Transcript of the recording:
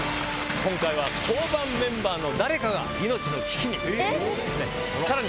今回は交番メンバーの誰かが、命の危機に。